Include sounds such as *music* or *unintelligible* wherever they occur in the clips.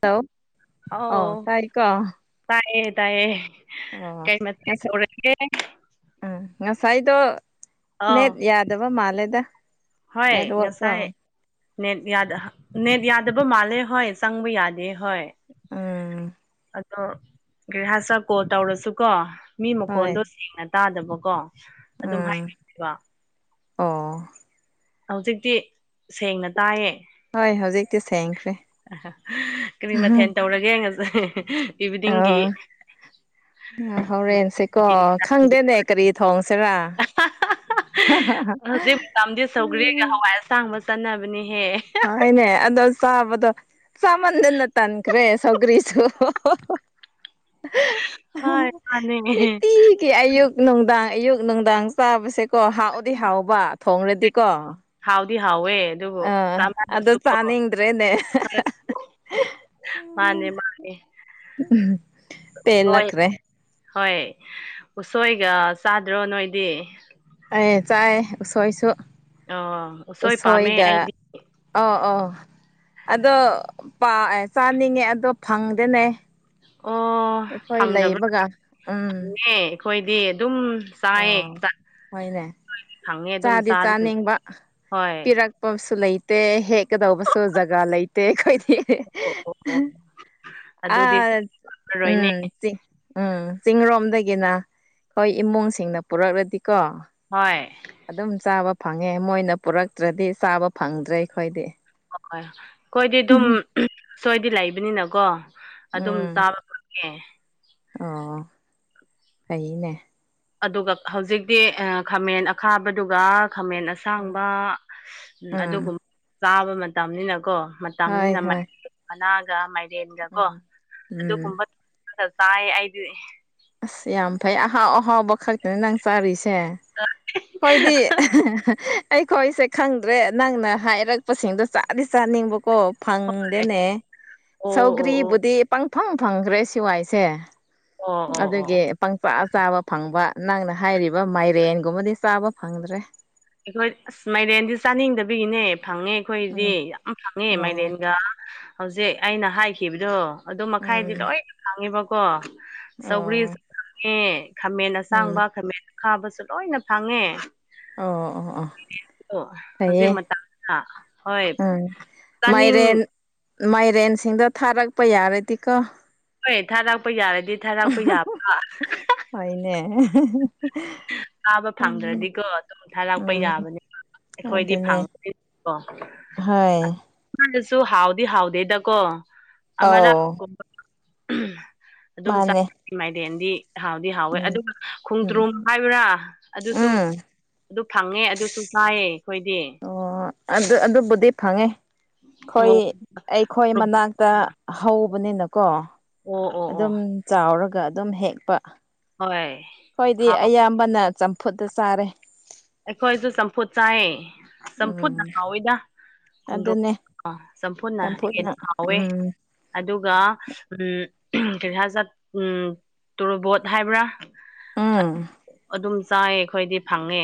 ꯇꯥꯎꯑꯣ ꯑꯥꯎ ꯇꯥꯏꯌꯦ ꯇꯥꯏꯌꯦ ꯑꯣ ꯀꯩ ꯃꯊꯦꯟ ꯉꯁꯥꯏ ꯇꯧꯔꯒꯦ ꯎꯝ ꯉ ꯁꯥꯏꯗꯣ ꯑꯥꯎ ꯅꯦꯠ ꯌꯥꯗꯕ ꯃꯥꯂꯦꯗ ꯍꯣꯏ ꯉꯁꯥꯏ ꯅꯦꯠ ꯅꯦꯠ ꯌꯥꯗꯕ ꯃꯥꯜꯂꯦ ꯍꯣꯏ ꯆꯪꯕ ꯌꯥꯗꯦ ꯍꯣꯏ ꯎꯝ ꯑꯗꯣ ꯀꯔꯤꯍꯥꯥꯁ ꯀꯣꯜ ꯇꯧꯔꯁꯨ ꯀꯣ ꯃꯤ ꯍꯣꯏ ꯃꯈꯣꯟꯗꯣ ꯁꯦꯡꯅ ꯇꯥꯗꯕꯀꯣ ꯑꯗꯨꯝ ꯎꯝ ꯍꯥꯏꯕꯅꯦꯕ ꯑꯣ ꯍꯧꯖꯤꯛꯇꯤ ꯁꯦꯡꯅ ꯇꯥꯏꯌꯦ ꯍꯣꯏ ꯍꯧꯖꯤꯛꯇꯤ ꯁꯦꯡꯈ꯭ꯔꯦ ꯀꯔꯤ ꯃꯊꯦꯜ ꯇꯧꯔꯒꯦ ꯉꯁꯤ ꯏꯕꯤꯅꯤꯡꯒꯤ ꯑ ꯍꯣꯔꯦꯟꯁꯦꯀꯣ ꯈꯪꯗꯦꯅꯦ ꯀꯔꯤ ꯊꯣꯡꯁꯤꯔ ꯍ ꯍꯥ ꯍꯥ ꯍꯧꯖꯤꯛ ꯃꯇꯝꯗꯤ ꯁꯧꯒ꯭ꯔꯤꯒ ꯍꯋꯥꯏ ꯑꯁꯥꯡꯕ ꯆꯥꯅꯕꯅꯦꯍꯦ ꯑ ꯑꯩꯅꯦ ꯑꯗꯣ ꯆꯥꯕꯗꯣ ꯆꯥꯃꯟꯅ ꯇꯥꯟꯈ꯭ꯔꯦ ꯁꯧꯒꯔꯤꯁꯨꯨ ꯍꯣꯏ ꯃꯥꯅꯦ ꯒꯤ ꯑꯌꯨꯛ ꯅꯨꯡꯗꯥꯡ ꯑꯌꯨꯛ ꯅꯨꯡꯗꯥꯡ ꯆꯥꯕꯁꯦꯀꯣ ꯍꯥꯎꯗꯤ ꯍꯥꯎꯕ ꯊꯣꯡꯔꯗꯤꯀꯣ ꯍꯥꯎꯗꯤ ꯍꯥꯎꯋꯦ ꯑꯗꯨꯕꯨ ꯑꯥ ꯑꯗꯣ ꯆꯥꯃꯅꯕꯁꯨ ꯀꯣ ꯆꯥꯅꯤꯡꯗ꯭ꯔꯦꯅꯦ ꯃꯥꯅꯦ ꯃꯥꯅꯦ ꯎꯝꯍꯝ ꯎꯁꯣꯏ ꯄꯦꯜꯂꯈ꯭ꯔꯦ ꯍꯣꯏ ꯎꯁꯣꯏꯒ ꯆꯥꯗ꯭ꯔꯣ ꯅꯣꯏꯗꯤ ꯑꯩ ꯆꯥꯏ ꯎꯁꯣꯏꯁꯨ ꯑꯣ ꯎꯁꯣꯏ ꯄꯥꯝꯃꯦ ꯎꯁꯣꯏꯒ ꯑꯩꯗꯤ ꯑ ꯑꯣ ꯑꯗꯣ ꯄꯥ ꯑꯦ ꯆꯥꯅꯤꯡꯉꯦ ꯑꯗꯣ ꯐꯪꯗꯦꯅꯦ ꯑꯣ ꯑꯩꯈꯣꯏ ꯐꯪꯗꯕ꯭ꯔꯥ ꯂꯩꯕꯒ ꯎꯝ ꯐꯪꯉꯦ ꯑꯈꯣꯏꯗꯤ ꯑꯗꯨꯝ ꯆꯥꯏꯌꯦ ꯑꯣ ꯆꯥꯛ ꯍꯣꯏꯅꯦ ꯐꯪꯉꯦ ꯑꯗꯨꯝ ꯆꯥꯗꯤ ꯆꯥꯗꯣꯏꯅꯤ ꯆꯥꯅꯤꯡꯕ ꯍꯣꯏ ꯄꯤꯔꯛ ꯄꯣꯁꯨ ꯂꯩꯇꯦ ꯍꯦꯛꯀꯗꯧꯕꯁꯨ ꯖꯒꯥ ꯂꯩꯇꯦ ꯑꯈꯣꯏꯗꯤ ꯑꯣ ꯑꯣ ꯑꯣ ꯑ ꯑꯗꯨꯗꯤ ꯐꯪꯉꯔꯣꯏꯅꯦ ꯎꯝ ꯆꯤꯡ ꯎꯝ ꯆꯤꯡꯔꯣꯝꯗꯒꯤꯅ ꯑꯈꯣꯏ ꯏꯃꯨꯡꯁꯤꯡꯅ ꯄꯨꯔꯛꯔꯗꯤꯀꯣ ꯍꯣꯏ ꯑꯗꯨꯝ ꯆꯥꯕ ꯐꯪꯉꯦ ꯃꯣꯏꯅ ꯄꯨꯔꯛꯇ꯭ꯔꯗꯤ ꯆꯥꯕ ꯐꯪꯗ꯭ꯔꯦ ꯑꯈꯣꯏꯗꯤ ꯍꯣꯏ ꯑꯈꯣꯏꯗꯤ ꯑꯗꯨꯝ ꯁꯣꯏꯗꯤ ꯂꯩꯕꯅꯤꯅꯀꯣ ꯑꯗꯨꯝ ꯎꯝ ꯆꯥꯕ ꯐꯪꯉꯦ ꯑꯣ ꯐꯩꯅꯦ ꯑꯗꯨꯒ ꯍꯧꯖꯤꯛꯇꯤ ꯈꯥꯃꯦꯟ ꯑꯈꯥꯕꯗꯨꯒ ꯈꯥꯃꯦꯟ ꯎꯝ ꯑꯁꯥꯡꯕ ꯎꯝ ꯑꯗꯨꯒꯨꯝꯕ ꯆꯥꯕ ꯃꯇꯝꯅꯤꯅꯀꯣ ꯃꯠ ꯍꯣꯏ ꯇꯅꯤꯅ ꯍꯣꯏ ꯃꯅꯥꯒ ꯃꯥꯏꯔꯦꯟꯒ ꯀꯣ ꯎꯝ ꯎꯝ ꯑꯗꯨꯒꯨꯝꯕ ꯑꯗ ꯆꯥꯏ ꯑꯩꯗꯤ ꯑꯁ ꯌꯥꯝ ꯐꯩ ꯑꯍꯥꯎ ꯑꯍꯥꯎꯕ ꯈꯛ ꯅ ꯅꯪ ꯆꯥꯔꯤꯁꯦ ꯈꯣꯏꯗꯤ ꯑꯩꯈꯣꯏ ꯑꯩꯁꯦ ꯈꯪꯗ꯭ꯔꯦ ꯅꯪꯅ ꯍꯥꯏꯔꯛꯄꯁꯤꯡꯗꯣ ꯆꯥꯗꯤ ꯆꯥꯅꯤꯡꯕ ꯀꯣ ꯐꯪꯗꯦꯅꯦ ꯑꯣ ꯑꯣ ꯁꯧꯒ꯭ꯔꯤꯕꯨꯗꯤ ꯄꯪꯐꯪ ꯐꯪꯈ꯭ꯔꯦ ꯁꯤꯋꯥꯏꯁꯦ ꯑꯣ ꯑꯣ ꯑꯣ ꯑꯣ ꯑꯗꯨꯒꯤ ꯄꯪꯆꯥꯥ ꯆꯥꯕ ꯐꯪꯕ ꯅꯪꯅ ꯍꯥꯏꯔꯤꯕ ꯃꯥꯏꯔꯦꯟꯒꯨꯝꯕꯗꯤ ꯆꯥꯕ ꯐꯪꯗ꯭ꯔꯦ ꯑꯩꯈꯣꯏ ꯑꯁ ꯃꯥꯏꯔꯦꯟꯗꯤ ꯆꯥꯅꯤꯡꯗꯕꯤꯒꯤꯅꯦ ꯐꯪꯉꯦ ꯎꯝ ꯑꯩꯈꯣꯏꯗꯤ ꯌꯥꯝ ꯐꯪꯉꯦ ꯑꯣ ꯃꯥꯏꯔꯦꯟꯒ ꯍꯧꯖꯤꯛ ꯑꯩꯅ ꯍꯥꯏꯈꯤꯕꯗꯣ ꯑꯗꯨ ꯃꯈꯥꯏꯗꯤ ꯎꯝ ꯂꯣꯏꯅ ꯈꯥꯡꯉꯤꯕꯀꯣ ꯑꯣ ꯆꯧꯒ꯭ꯔꯤꯁꯨ ꯐꯪꯉꯦ ꯈꯥꯃꯦꯟ ꯎꯝ ꯑꯁꯥꯡꯕ ꯈꯥꯃꯦꯟ ꯈꯥꯕꯁꯨ ꯂꯣꯏꯅ ꯐꯥꯡꯉꯦ ꯑꯣ ꯑꯣ ꯑꯥ ꯍꯧꯖꯤꯛ ꯃꯇꯝꯗ ꯍꯣꯏ ꯎꯝ ꯆꯥꯅꯤꯡ ꯃꯥꯏꯔꯦꯟ ꯃꯥꯏꯔꯦꯟꯁꯤꯡꯗꯣ ꯊꯥꯔꯛꯄ ꯌꯥꯔꯗꯤꯀꯣ ꯍꯣꯏ ꯊꯥꯔꯥꯛꯄ ꯌꯥꯔꯗꯤ ꯊꯥꯔꯥꯛꯄ ꯌꯥꯕ꯭ꯔꯥ ꯍꯣꯏꯅꯦ *inaudible* ꯆꯥꯕ ꯎꯝ ꯐꯪꯗ꯭ꯔꯗꯤꯀꯣ ꯑꯗꯨꯝ ꯊꯥꯔꯛꯄ ꯎꯝ ꯌꯥꯕꯅꯤ ꯑꯩꯈꯣꯏꯗꯤ ꯑꯗꯨꯅꯦ ꯐꯪ ꯑꯣ ꯍꯣꯏ ꯑꯁꯅꯁꯨ ꯍꯥꯎꯗꯤ ꯍꯥꯎꯗꯦꯗꯀꯣ ꯑꯃꯔꯥ ꯑꯧ ꯀꯨꯝꯕ ꯑꯗꯨꯝ ꯆꯥ ꯃꯥꯅꯦ ꯃꯥꯏꯔꯦꯟꯗꯤ ꯍꯥꯎꯗꯤ ꯍꯥꯎꯋꯦ ꯎꯝ ꯑꯗꯨꯒ ꯎꯝ ꯈꯣꯡꯗ꯭ꯔꯨꯝ ꯍꯥꯏꯕ꯭ꯔꯥ ꯑꯗꯨꯁꯨ ꯎꯝ ꯑꯗꯨ ꯐꯪꯉꯦ ꯑꯗꯨꯁꯨ ꯆꯥꯏꯌꯦ ꯑꯩꯈꯣꯏꯗꯤ ꯑꯣ ꯑꯗꯨ ꯑꯗꯨꯕꯨꯗꯤ ꯐꯪꯉꯦ ꯑꯣ ꯑꯩꯈꯣꯏ ꯑꯩꯈꯣꯏ ꯃꯅꯥꯛꯇ ꯍꯧꯕꯅꯤꯅꯀꯣ ꯑꯣ ꯑꯣ ꯑꯣ ꯑꯗꯨꯝ ꯆꯥꯎꯔꯒ ꯑꯗꯨꯝ ꯍꯦꯛꯄ ꯍꯣꯏ ꯈꯣꯏꯗꯤ ꯍꯥꯎ ꯑꯌꯥꯝꯕ ꯕꯅ ꯆꯝꯐꯨꯠꯇ ꯆꯥꯔꯦ ꯑꯩꯈꯣꯏꯁꯨ ꯆꯝꯐꯨꯠ ꯆꯥꯏꯌꯦ ꯆꯝꯐꯨꯅ ꯎꯝ ꯍꯥꯎꯋꯦꯗ ꯈꯣꯡ ꯑꯗꯨꯅꯦ ꯆꯝꯐꯨꯅ ꯆꯝꯐꯨꯠꯅ ꯍꯦꯟꯅ ꯍꯥꯎꯋꯦ ꯎꯝ ꯑꯗꯨꯒ ꯎꯝ ꯀꯔꯤ ꯍꯥꯏꯠ ꯎꯝ ꯇꯣꯔꯕꯣꯠ ꯍꯥꯏꯕ꯭ꯔꯥ ꯎꯝ ꯑꯗꯨꯝ ꯆꯥꯏ ꯑꯩꯈꯣꯏꯗꯤ ꯐꯪꯉꯦ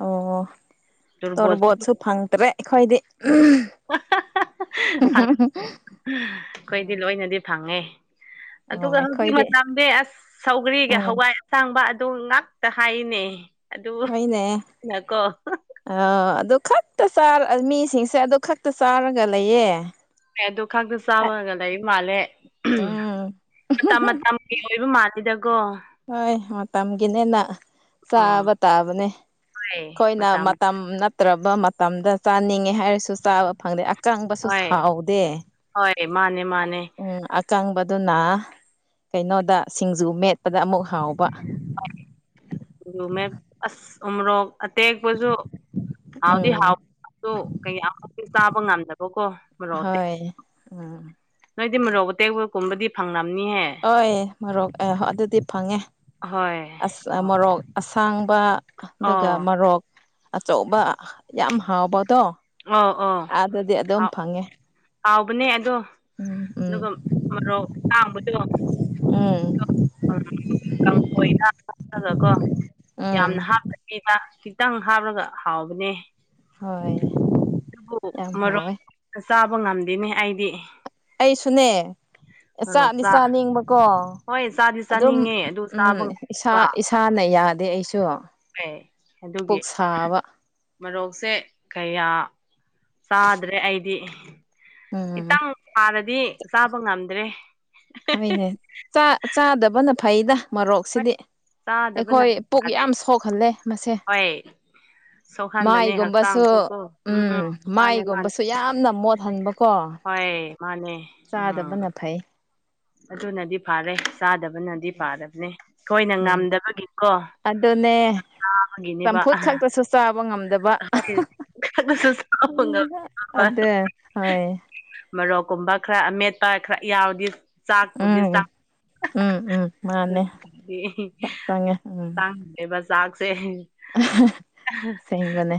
ꯑꯣ ꯇꯨꯔꯕꯣꯠ ꯇꯣꯔꯕꯣꯠꯁꯨ ꯐꯪꯗ꯭ꯔꯦ ꯑꯩꯈꯣꯏꯗꯤ ꯑꯩꯈꯣꯏꯗꯤ ꯎꯝ ꯂꯣꯏꯅꯗꯤ ꯐꯪꯉꯦ ꯑꯣ ꯑꯗꯨꯒ ꯍꯧꯖꯤꯛ ꯑꯩꯈꯣꯏꯗꯤ ꯃꯇꯝꯗꯤ ꯑꯁ ꯁꯧꯒ꯭ꯔꯤꯒ ꯎꯝ ꯍꯋꯥꯏ ꯑꯁꯥꯡꯕ ꯑꯗꯨ ꯉꯥꯛꯇ ꯍꯥꯏꯔꯤꯅꯦ ꯑꯗꯨ ꯍꯣꯏꯅꯦ ꯅꯀꯣ ꯑ ꯑꯗꯨ ꯈꯛꯇ ꯆꯥꯔ ꯃꯤꯁꯤꯡꯁꯦ ꯑꯗꯨ ꯈꯛꯇ ꯆꯥꯔꯒ ꯂꯩꯌꯦ ꯑꯗꯨ ꯈꯇ ꯆꯥꯕꯒ ꯂꯩ ꯃꯥꯜꯂꯦ ꯎꯝ ꯃꯇꯝ ꯃꯇꯝ ꯃꯤꯑꯣ ꯑꯣꯏꯕ ꯃꯥꯇꯦꯗꯀꯣ ꯍꯣꯏ ꯃꯇꯝꯒꯤꯅꯦꯅ ꯎꯝ ꯆꯥꯕ ꯇꯥꯕꯅꯦ ꯑꯩꯈꯣꯏꯅ ꯃꯇꯝ ꯅꯠꯇ꯭ꯔꯕ ꯃꯇꯝꯗ ꯆꯥꯅꯤꯡꯉꯦ ꯍꯥꯏꯔꯁꯨ ꯆꯥꯕ ꯐꯪꯗꯦ ꯑꯀꯪꯕꯁꯨ ꯍꯣꯏ ꯍꯥꯎꯗꯦ ꯍꯣꯏ ꯃꯥꯅꯦ ꯃꯥꯅꯦ ꯎꯝ ꯑꯀꯪꯕꯗꯨꯅ ꯀꯩꯅꯣꯗ ꯁꯤꯡꯖꯨ ꯃꯦꯠꯄꯗ ꯑꯃꯨꯛ ꯍꯥꯎꯕ ꯑꯁ ꯎꯃꯔꯣ ꯑꯇꯦꯛ ꯄꯁꯨ ꯍꯥꯎꯗꯤ ꯎꯝ ꯍꯥꯎ ꯀꯩ ꯌꯥꯝꯅꯗꯤ ꯆꯥꯕ ꯉꯝꯗꯕꯀꯣ ꯃꯔꯣꯛ *unintelligible* *inaudible* ꯎꯝ ꯅꯣꯏꯗꯤ ꯃꯣꯔꯣꯛ ꯑꯇꯦꯛꯄ ꯀꯨꯝꯕꯗꯤ ꯐꯪꯂꯝꯅꯤꯍꯦ ꯍ ꯃꯣꯔꯣꯛ ꯑ ꯑꯗꯨꯗꯤ ꯐꯪꯉꯦ ꯍꯣꯏ ꯑ ꯑꯣ ꯃꯣꯔꯣꯛ ꯑꯁꯥꯡꯕ ꯑꯗꯨꯒ ꯑꯣ ꯃꯣꯔꯣꯛ ꯑꯆꯧꯕ ꯌꯥꯝ ꯍꯥꯎꯕꯗꯣ ꯑ ꯑꯥꯗꯗꯤ ꯑꯗꯨꯝ ꯑꯣ ꯐꯪꯉꯦ ꯍꯥꯎꯕꯅꯦ ꯑꯗꯣ ꯎꯝ ꯎꯝ ꯑꯗꯨꯒ ꯃꯔꯣꯛꯁꯥꯡꯕꯗꯣ ꯎꯝ ꯎꯝ ꯀꯥꯝꯐꫭꯏꯗꯒꯀꯣ ꯎꯝ ꯌꯥꯝꯅ ꯍꯥꯞꯄꯅꯦꯕ ꯈꯤꯇꯪ ꯍꯥꯞꯂꯒ ꯍꯥꯎꯕꯅꯦ ꯍꯣꯏ ꯑꯗꯨꯕꯨ ꯌꯥꯝ ꯃꯔꯣꯟ ꯍꯥꯎꯋꯦ ꯆꯥꯕ ꯉꯝꯗꯦꯅꯦ ꯑꯩꯗꯤ ꯑꯩꯁꯨꯅꯦ ꯃꯔꯣꯛ ꯆꯥꯗꯤ ꯆꯥ ꯆꯥꯅꯤꯡꯕꯀꯣ ꯍꯣꯏ ꯆꯥꯗꯤ ꯑꯗꯨꯝ ꯆꯥꯅꯤꯡꯉꯦ ꯑꯗꯨ ꯎꯝ ꯆꯥꯕ ꯏꯁꯥ ꯉꯝꯗꯕ ꯏꯁꯥꯅ ꯌꯥꯗꯦ ꯑꯩꯁꯨ ꯑꯦ ꯑꯗꯨꯒꯤ ꯄꯨꯛ ꯁꯥꯕ ꯃꯔꯣꯛꯁꯦ ꯀꯌꯥ ꯆꯥꯗ꯭ꯔꯦ ꯑꯩꯗꯤ ꯎꯝ ꯈꯤꯇꯪ ꯁꯥꯔꯗꯤ ꯆꯥꯕ ꯉꯝꯗ꯭ꯔꯦ ꯍꯣꯏꯅꯦ ꯆꯥꯗꯕꯅ ꯐꯩꯗ ꯍꯣꯏ ꯃꯣꯔꯣꯛꯁꯤꯗꯤ ꯆꯥꯗꯕꯅ ꯑꯩꯈꯣꯏ ꯄꯨꯛ ꯐꯔꯦ ꯌꯥꯝ ꯁꯣꯛꯍꯜꯂꯦ ꯃꯁꯦ ꯍꯣꯏ ꯁꯣꯛꯍꯟꯕꯅꯦ ꯃꯥꯏꯒꯨꯝꯕꯁꯨ ꯍꯛꯆꯥꯡꯁꯨ ꯀꯣ ꯎꯝ ꯃꯥꯅꯦ ꯃꯥꯏꯒꯨꯝꯕꯁꯨ ꯌꯥꯝꯅ ꯃꯣꯠꯍꯟꯕꯀꯣ ꯍꫭꯏ ꯃꯥꯅꯦ ꯎꯝ ꯆꯥꯗꯕꯅ ꯐꯩ ꯑꯗꯨꯅꯗꯤ ꯐꯥꯔꯦ ꯆꯥꯗꯕ ꯕꯅꯗꯤ ꯐꯕꯅꯦ ꯑꯩꯈꫭꯏꯅ ꯎꯝ ꯉꯝꯗꯕꯒꯤꯀꯣ ꯑꯗꯨꯅꯦ ꯆꯝꯐꯨꯠ ꯈꯛꯇꯁꯨ ꯆꯥꯕ ꯉꯝꯗꯕ *unintelligible* *unintelligible* *unintelligible* ꯑꯗꯨ ꯍꫭꯏ ꯃꯔꯣꯛ ꯃꯔꯣꯛꯀꯨꯝꯕ ꯈꯔ ꯑꯃꯦꯠꯄ ꯈꯔ ꯌꯥꯎꯔꯗꯤ ꯆꯥꯛꯄꯨꯗꯤ ꯎꯝ ꯆꯥꯛ ꯎꯝ ꯎꯝ ꯃꯥꯅꯦ ꯆꯥꯛ ꯆꯪꯉꯦ ꯎꯝ *unintelligible* *unintelligible* ꯆꯥꯛꯁꯦ ꯑꯁꯦꯡꯕꯅꯦ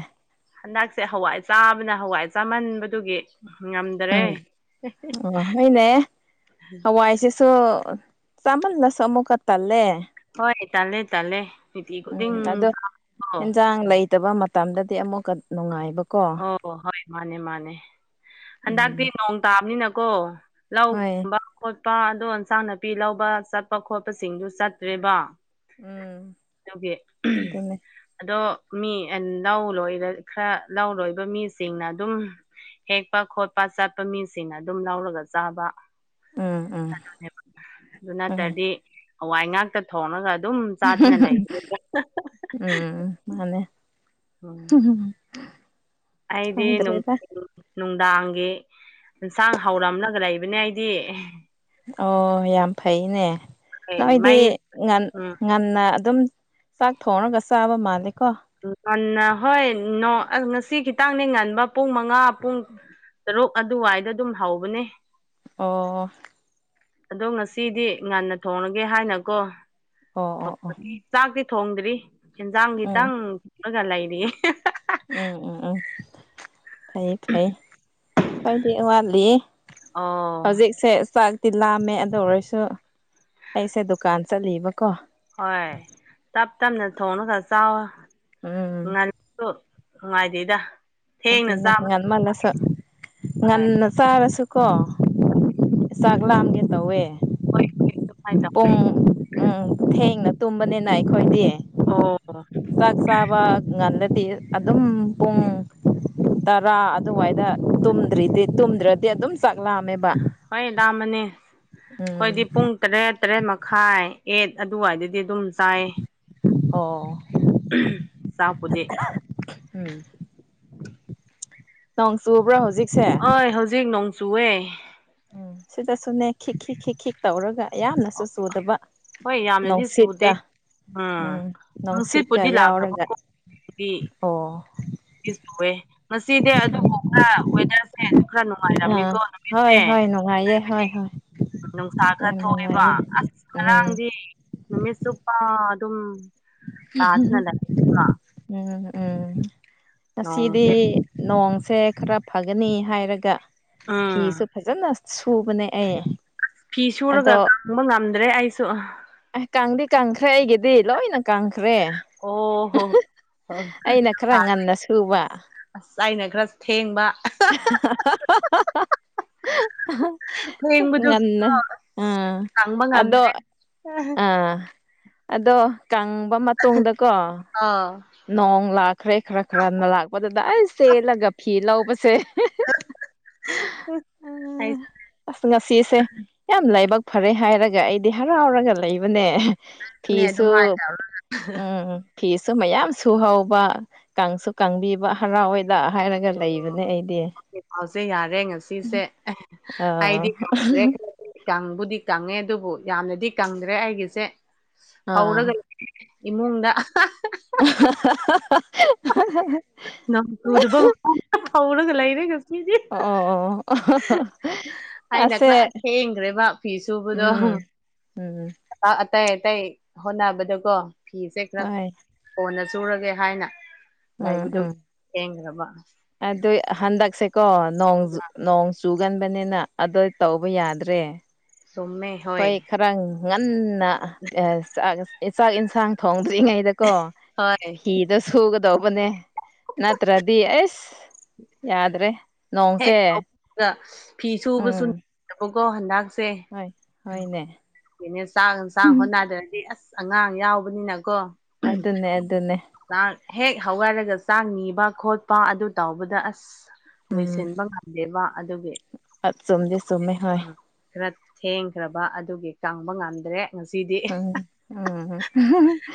ꯍꯟꯗꯛꯁꯦ ꯍꯋꯥꯏ ꯆꯥꯕꯅ ꯍꯋꯥꯏ ꯆꯥꯃꯟꯕꯗꯨꯒꯤ ꯉꯝꯗꯔꯦ ꯑꯩꯅꯦ ꯍꯋꯥꯏꯁꯤꯁꯨ ꯆꯥꯃꯜꯂꯁꯨ ꯑꯃꯨꯛꯀ ꯇꯜꯂꯦ ꯍꯣꯏ ꯇꯥꯂꯦꯇꯥꯂꯦ ꯎꯝ ꯑꯗꯣ ꯑꯦꯟꯖꯥꯡ ꯂꯩꯇꯕ ꯃꯇꯝꯗꯗꯤ ꯑꯃꯨꯛꯀ ꯅꯨꯡꯉꯥꯏꯕꯀꯣ ꯑꯣ ꯍꯣꯏ ꯃꯥꯅꯦ ꯃꯥꯅꯦ ꯍꯟꯗꯛꯇꯤ ꯎꯝ ꯅꯣꯡ ꯇꯥꯕꯅꯤꯅꯀꯣ ꯍꯣꯏ ꯂꯧꯒꯨꯝꯕ ꯈꯣꯠꯄ ꯑꯗꯣ ꯏꯟꯁꯥꯡ ꯅꯥꯄꯤ ꯂꯧꯕ ꯆꯠꯄ ꯈꯣꯠꯄꯁꯤꯡꯗꯨ ꯆꯠꯇ꯭ꯔꯦꯕ ꯎꯝ ꯦ ꯑꯗꯨꯅꯦ *inaudible* ꯑꯗꯣ ꯃꯤ ꯂꯧ ꯂꯣꯏꯔ ꯈꯔ ꯂꯧ ꯂꯣꯏꯕ ꯃꯤꯁꯤꯡꯅ ꯑꯗꯨꯝ ꯍꯦꯛꯄ ꯈꯣꯠꯄ ꯆꯠꯄ ꯃꯤꯁꯤꯡꯅ ꯑꯗꯨꯝ ꯂꯧꯔꯒ ꯆꯥꯕ ꯎꯝ ꯎꯝ ꯑꯗꯨꯅꯦꯕ ꯑꯗꯨ ꯍꯣꯏ ꯅꯠꯇ꯭ꯔꯗꯤ ꯍꯋꯥꯏ ꯉꯥꯛꯇ ꯊꯣꯡꯉꯒ ꯑꯗꯨꯝ ꯆꯥꯗꯅ ꯂꯩ ꯎꯝ ꯃꯥꯅꯦ *inaudible* ꯑꯩꯗꯤ ꯅꯨ ꯈꯪꯗ꯭ꯔꯦꯗ ꯅꯨꯡꯗꯥꯡꯒꯤ ꯌꯦꯟꯁꯥꯡ ꯍꯧꯔꯝꯂꯒ ꯂꯩꯕꯅꯦ ꯑꯩꯗꯤ ꯑꯣ ꯌꯥꯝ ꯐꯩꯅꯦ ꯅꯣꯏꯗꯤ ꯃꯩ ꯉꯟ ꯎꯝ ꯉꯟꯅ ꯑꯗꯨꯝ ꯆꯥꯛ ꯊꯣꯡꯔꯒ ꯆꯥꯕ ꯃꯥꯜꯂꯦ ꯀꯣ ꯉꯟꯅ ꯍꯣꯏ ꯅꯣ ꯉꯁꯤ ꯈꯤꯇꯪꯅꯦ ꯉꯟꯕ ꯄꯨꯡ ꯃꯉꯥ ꯄꯨꯡ ꯇꯔꯨꯛ ꯑꯗꯨꯋꯥꯏꯗ ꯑꯗꯨꯝ ꯍꯧꯕꯅꯦ ꯑꯣ ꯑꯗꯣ ꯉꯁꯤꯗꯤ ꯉꯟꯅ ꯊꯣꯡꯂꯒꯦ ꯍꯥꯏꯅꯀꯣ ꯑꯣ ꯑꯣ ꯑꯣ ꯆꯥꯛꯇꯤ ꯊꯣꯡꯗ꯭ꯔꯤ ꯍꯦꯟꯖꯥꯡ ꯎꯝ ꯈꯤꯇꯪ ꯊꯣꯡꯂꯒ ꯂꯩꯔꯤꯌꯦ ꯎꯝ ꯎꯝ ꯎꯝ ꯐꯩꯌꯦ ꯐꯩ ꯑꯩꯗꯤ ꯋꯥꯠꯂꯤꯌꯦ ꯑꯣ ꯍꯧꯖꯤꯛ ꯁꯦ ꯆꯥꯛ ꯇꯤ ꯂꯥꯝꯃꯦ ꯑꯗꯨ ꯑꯣꯏꯔꯁꯨ ꯑꯩꯁꯦ ꯗꯨꯀꯥꯟ ꯆꯠꯂꯤꯕꯀꯣ ꯍꯣꯏ ꯆꯥꯛ ꯉꯟꯅ ꯊꯣꯡꯅ ꯈꯔ ꯆꯥꯎ ꯎꯝ ꯉ *inaudible* ꯑꯗꯣ ꯅꯨꯡꯉꯥꯏꯗꯦꯗ ꯊꯦꯡꯅ ꯑꯗꯨꯅꯦ ꯆꯥꯕ ꯉꯟꯃꯜꯂꯁꯨ ꯍꯣꯏ ꯉꯟꯅ ꯆꯥꯔꯁꯨꯀꯣ *unintelligible* ꯆꯥꯛ ꯂꯥꯝꯒꯦ ꯇꯧꯋꯦ ꯍꯣꯏ ꯍꯣꯏ ꯑꯗꯨꯃꯥꯏꯅ ꯇꯧꯋꯦ ꯄꯨꯡ ꯎꯝ ꯊꯦꯡꯅ ꯇꯨꯝꯕꯅꯤꯅ ꯑꯩꯈꯣꯏꯗꯤ ꯑꯣ ꯆꯥꯛ ꯆꯥꯕ ꯉꯟꯗꯗꯤ ꯑꯗꯨꯝ ꯄꯨꯡ ꯇꯔꯥ ꯑꯗꯨꯋꯥꯏꯗ ꯇꯨꯝꯗ꯭ꯔꯤꯗꯤ ꯇꯨꯝꯗ꯭ꯔꯗꯤ ꯑꯗꯨꯝ ꯆꯥꯛ ꯂꯥꯝꯃꯦꯕ ꯍꯣꯏ ꯂꯥꯝꯕꯅꯦ ꯑꯩꯈꯣꯏꯗꯤ ꯎꯝ ꯄꯨꯡ ꯇꯔꯦꯠ ꯇꯔꯦꯠ ꯃꯈꯥꯏ ꯑꯦꯠ ꯑꯗꯨꯋꯥꯏꯗꯗꯤ ꯑꯗꯨꯝ ꯆꯥꯏꯌꯦ ꯑꯣ ꯆꯥꯛꯄꯨꯗꯤ ꯎꯝ ꯇꯪ ꯆꯨꯕ꯭ꯔꯥ ꯍꯧꯖꯤꯛꯁꯦ ꯍꯣꯏ ꯍꯧꯖꯤꯛ ꯅꯣꯡ ꯆꯨꯑꯦ ꯎꯝ ꯁꯤꯗ ꯁꯨꯅꯦ ꯈꯤꯛ ꯈꯤꯛ ꯇꯧꯔꯒ ꯌꯥꯝꯅꯁꯨ ꯆꯨꯗꯕ ꯍꯣꯏ ꯌꯥꯝꯅꯗꯤ ꯆꯨꯗꯦ ꯅꯨꯡꯁꯤꯠꯀ ꯎꯝ ꯅꯨꯡꯁꯤꯠꯀ ꯌꯥꯎꯔꯒ ꯎ *inaudible* ꯑꯣ ꯑꯦ ꯉꯁꯤꯗꯤ ꯑꯗꯨꯕꯨ ꯈꯔ ꯋꯦꯗꯔꯁꯦ ꯈ꯭ꯔ ꯑꯥ ꯅꯨꯡꯉꯥꯏꯔꯝꯃꯦꯀꯣ ꯍꯣꯏ ꯅꯨꯡꯗꯤꯟꯁꯦ ꯍꯣꯏ ꯅꯨꯡꯉꯥꯏꯌꯦ ꯍꯥꯏꯕꯗꯤ ꯍꯣꯏ ꯍꯣꯏ ꯅꯨꯡꯁꯥ ꯈꯔ ꯌꯥꯝ ꯊꯣꯛꯑꯦꯕ ꯅꯨꯡꯉꯥꯏꯌꯦ ꯑꯁ ꯎꯝ ꯉꯔꯥꯡꯗꯤ ꯅꯨꯃꯤꯠ ꯆꯨꯞꯄ ꯑꯗꯨꯝ ꯇꯥꯗꯅ ꯂꯩꯕ ꯎꯝ ꯎꯝ ꯉꯁꯤꯗꯤ ꯅꯣꯡꯁꯦ ꯅꯣꯡꯁꯦ ꯈꯔ ꯐꯒꯅꯤ ꯍꯥꯏꯔꯒ ꯎꯝ ꯐꯤꯁꯨ ꯐꯖꯅ ꯁꯨꯕꯅꯦ ꯑꯩ ꯐꯤ ꯁꯨꯔꯒ ꯑꯗꯣ ꯀꯪꯕ ꯉꯝꯗ꯭ꯔꯦ ꯑꯩꯁꯨ ꯑꯦ ꯀꯪꯗꯤ ꯀꯪꯈ꯭ꯔꯦ ꯑꯩꯒꯤꯗꯤ ꯂꯣꯏꯅ ꯀꯪꯈ꯭ꯔꯦ ꯑꯣ ꯍꯣꯢ ꯍꯣꯢ ꯑꯩꯅ ꯈꯔ ꯍꯥ ꯉꯟꯅ ꯁꯨꯕ ꯑꯩꯅ ꯈꯔ ꯊꯦꯡꯕ ꯉꯟꯅ ꯊꯦꯡꯕꯗꯨꯒꯤꯀꯣ ꯑꯁ ꯑꯥ ꯈꯥꯡꯕ ꯑꯗꯣ ꯉꯝꯗ꯭ꯔꯦ ꯑꯥ ꯑꯗꯣ ꯀꯪꯕ ꯃꯇꯨꯡꯗꯀꯣ ꯑꯥ ꯅꯣꯡ ꯂꯥꯛꯈ꯭ꯔꯦ ꯈꯔ ꯈꯔꯅ ꯂꯥꯛꯄꯗꯨꯗ ꯑꯩ ꯆꯦꯜꯂꯒ ꯐꯤ ꯂꯧꯕꯁꯦ ꯑ ꯉꯁꯤꯁꯦ ꯌꯥꯝ ꯂꯥꯏꯕꯛ ꯐꯔꯦ ꯍꯥꯏꯔꯒ ꯑꯩꯗꯤ ꯍꯔꯥꯎꯔꯒ ꯂꯩꯕꯅꯦ ꯐꯤꯁꯨ ꯑꯗꯨꯝ ꯍꯥꯏꯅ ꯎꯝꯝ ꯐꯤꯁꯨ ꯃꯌꯥꯝ ꯁꯨꯍꯧꯕ ꯀꯥꯡꯁꯨ ꯀꯥꯡꯕꯤꯕ ꯍꯔꯥꯎꯋꯏ ꯗꯥꯛ ꯍꯥꯏꯔꯒ ꯂꯩꯕꯅꯦ ꯑꯩꯗꯤ ꯄꯥꯎꯁꯦ ꯌꯥꯔꯦ ꯉꯁꯤꯁꯦ ꯑꯥ ꯑꯩꯗꯤꯦ ꯀꯪꯕꯨꯗꯤ ꯀꯪꯉꯦ ꯑꯗꯨꯕꯨ ꯌꯥꯝꯅꯗꯤ ꯀꯪꯗ꯭ꯔꯦ ꯑꯩꯒꯤꯁꯦ ꯑꯥ ꯍꯧꯔꯒ ꯏꯃꯨꯡꯗ *unintelligible* ꯅꯪ ꯇ ꯑꯗꯨꯕꯔꯒ ꯂ ꯂꯩꯔꯒ ꯑꯣ ꯑꯣ ꯑꯣ ꯑꯩꯅ ꯈꯔ ꯑꯁꯦ ꯊꯦꯡꯈ꯭ꯔꯦꯕ ꯐꯤ ꯁꯨꯕꯗꯣ ꯎꯝ ꯎꯝ ꯕꯛ ꯑꯇꯩ ꯑꯇꯩ ꯍꯣꯠꯅꯕꯗꯀꯣ ꯐꯤꯁꯦ ꯈꯔ ꯍꯣꯏ ꯀꯣꯟꯅ ꯆꯨꯔꯒꯦ ꯍꯥꯏꯅ ꯂꯥꯏꯕꯨꯗꯨ ꯌꯦꯡꯈ꯭ꯔꯕ ꯑꯗ ꯍꯟꯗꯛꯁꯦꯀꯣ ꯅꯣꯡꯖ ꯅꯣꯡ ꯆꯨꯒꯟꯕꯅꯤꯅ ꯑꯗꯨꯗ ꯇꯧꯕ ꯌꯥꯗ꯭ꯔꯦ ꯁꯨꯝꯃꯦ ꯑꯩꯈꯣꯏ ꯈꯔ ꯉꯟꯅꯥꯛ ꯆꯥꯛ ꯏꯟꯁꯥꯡ ꯊꯣꯡꯗ꯭ꯔꯤꯉꯩꯗ ꯀꯣ ꯍꯣꯏ ꯐꯗ ꯁꯨꯒꯗꯧꯕꯅꯦ ꯅꯠꯇ꯭ꯔꯗꯤ ꯑꯩꯁ ꯌꯥꯗ꯭ꯔꯦ ꯍꯦꯛ ꯅꯣꯡꯁꯦ ꯍꯧꯕꯒ ꯐꯤ ꯁꯨꯕꯁꯨ ꯎꯝ ꯅꯕꯀꯣ ꯍꯟꯗꯛ ꯍꯣꯏ ꯍꯣꯏꯅꯦ ꯁꯦꯩꯅ ꯆꯥꯛꯟ ꯆꯥꯡ ꯍꯣꯠꯅꯗ꯭ꯔꯗꯤ ꯑꯁ ꯑꯉꯥꯡ ꯌꯥꯎꯕꯅꯤꯅꯀꯣ ꯑꯗꯨꯟꯅꯦ ꯑꯗꯨꯟꯅꯦ ꯆꯥꯛ ꯍꯦꯛ ꯍꯋꯥꯔꯒ ꯆꯥꯛ ꯅꯤꯕ ꯈꯣꯠꯄ ꯑꯗꯨ ꯇꯥꯎꯧꯕꯗ ꯑꯁ ꯂꯣꯏꯁꯤꯟꯕ ꯉꯝꯗꯦꯕ ꯑꯗꯨꯒꯤ ꯑ ꯆꯣꯨꯝꯗꯦ ꯆꯣꯨꯝꯃꯦ ꯍꯣꯏ ꯎꯝ ꯈꯔ ꯊꯦꯡꯈ꯭ꯔꯕ ꯑꯗꯨꯒꯤ ꯀꯪꯕ ꯉꯝꯗ꯭ꯔꯦ ꯉꯁꯤꯗꯤ ꯎꯝ ꯎꯝ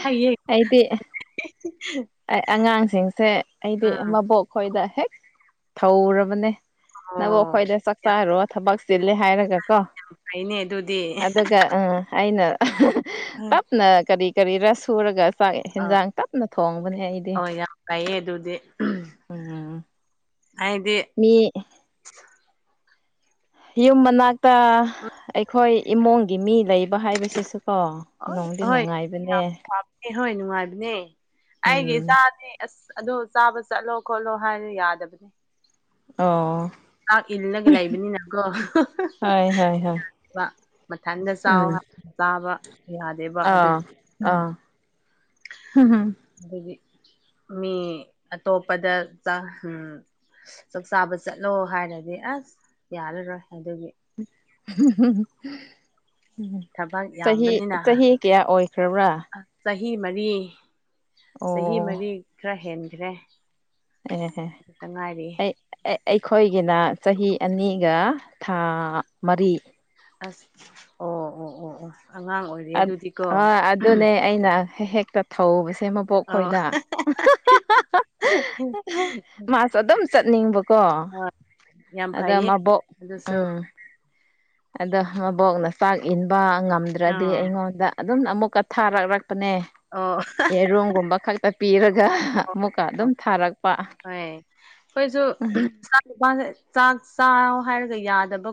ꯍꯌꯦꯡ ꯑꯗꯤ ꯑꯩ ꯑꯉꯥꯡꯁꯤꯡꯁꯦ ꯑꯩꯗꯤ ꯎꯝ ꯃꯕꯣꯛ ꯈꯣꯏꯗ ꯍꯦꯛ ꯊꯧꯔꯕꯅꯦ ꯅꯕꯨ ꯑꯣ ꯑꯩꯈꯣꯏꯗ ꯆꯥꯛ ꯌꯥꯝ ꯆꯥꯔꯣ ꯊꯕꯛ ꯆꯜꯂꯦ ꯍꯥꯏꯔꯒ ꯀꯣ ꯐꯩꯅꯦ ꯑꯗꯨꯗꯤ ꯑꯗꯨꯒ ꯑꯥ ꯑꯩꯅ ꯎꯝ ꯇꯞꯅ ꯀꯔꯤ ꯀꯔꯤꯔ ꯁꯨꯔꯒ ꯆꯥꯛ ꯏꯟꯖꯥꯡ ꯇꯞꯅ ꯊꯣꯡꯕꯅꯦ ꯑꯩꯗꯤ ꯍ ꯌꯥꯝ ꯐꯩꯌꯦ ꯑꯗꯨꯗꯤ ꯎꯝ ꯍꯥꯏꯗꯤ ꯃꯤ ꯌꯨꯝ ꯃꯅꯥꯛꯇ ꯑꯩꯈꯣꯏ ꯏꯃꯨꯡꯒꯤ ꯃꯤ ꯂꯩꯕ ꯍꯥꯏꯕꯁꯤꯁꯨꯀꯣ ꯅꯅꯨꯡꯗꯤ ꯅꯨꯡꯉꯥꯏꯕꯅꯦ ꯑꯦ ꯍꯣꯏ ꯅꯨꯡꯉꯥꯏꯕꯅꯦ ꯑꯩꯒꯤ ꯎꯝ ꯏꯆꯥꯅꯦ ꯑꯁ ꯑꯗꯣ ꯆꯥꯕ ꯆꯠꯂꯣ ꯈꯣꯠꯂꯣ ꯍꯥꯏꯅ ꯌꯥꯗꯕꯅꯦ ꯑ ꯆꯥꯛ ꯏꯜꯂꯒ ꯂꯩꯕꯅꯤꯅꯀꯣ ꯍꯣꯏ ꯍꯣꯏ ꯍꯣꯏ ꯃꯊꯟꯗ ꯆꯥꯎ ꯎꯝ ꯇꯥꯕ ꯌꯥꯗꯦꯕ ꯑꯗꯨ ꯑꯥ ꯍꯝ ꯍꯝ ꯑꯗꯨꯗꯤ ꯃꯤ ꯑꯇꯣꯞꯄꯗꯝ ꯆꯥꯛꯆꯥꯥꯕ ꯆꯠꯂꯣ ꯍꯥꯏꯔꯗꯤ ꯑꯁ ꯌꯥꯔꯔꯣꯏ ꯑꯗꯨꯒꯤ ꯎꯝ ꯊꯕꯛ ꯆꯍꯤ ꯌꯥꯝꯕꯅꯤꯅ ꯆꯍꯤ ꯀꯌꯥ ꯑꯣꯏꯈ꯭ꯔꯕ꯭ꯔꯥ ꯆꯍꯤ ꯃꯔꯤ ꯆꯍꯤ ꯑꯣ ꯃꯔꯤ ꯈꯔ ꯍꯦꯟꯈ꯭ꯔꯦ ꯑꯩꯅꯅꯦ ꯑꯗꯨꯇ ꯉꯥꯏꯔꯤ ꯑꯩ ꯑꯩꯈꯣꯏꯒꯤꯅ ꯆꯍꯤ ꯑꯅꯤꯒ ꯊꯥ ꯃꯔꯤ ꯑꯁ ꯑꯣ ꯑꯣ ꯑꯣ ꯑꯣ ꯑꯉꯥꯡ ꯑꯣꯏꯔꯤ ꯑꯗꯨꯗꯤꯀꯣ ꯑ ꯑꯗꯨꯅꯦ ꯑꯩꯅ ꯍꯦꯛꯇ ꯊꯧꯕꯁꯦ ꯄꯣꯛ ꯑꯣ ꯈꯣꯏꯗ ꯃꯥꯁꯨ ꯑꯗꯨꯝ ꯆꯠꯅꯤꯡꯕꯀꯣ ꯌꯥꯝ ꯑꯗ ꯐꯩꯌꯦ ꯃꯕꯣ ꯑꯗꯨꯁꯨ ꯎꯝ ꯑꯗꯣ ꯃꯕꯣꯛꯅ ꯆꯥꯛ ꯏꯟꯕ ꯉꯝꯗ꯭ꯔꯗꯤ ꯑꯥ ꯑꯩꯉꯣꯟꯗ ꯑꯗꯨꯝ ꯑꯃꯨꯛꯀ ꯊꯥꯔꯛꯂꯛꯄꯅꯦ ꯑꯣ ꯌꯦꯔꯨꯝꯒꯨꯝꯕ ꯈꯛꯇ ꯄꯤꯔꯒ ꯑꯣ ꯑꯃꯨꯛꯀ ꯑꯗꯨꯝ ꯑꯣ ꯊꯥꯔꯛꯄ ꯍꯣꯏ ꯑꯩꯈꯣꯏꯁꯨ ꯆꯥꯛꯄꯥ ꯆꯥꯛ ꯆꯥꯔ ꯍꯥꯏꯔꯒ ꯌꯥꯗꯕ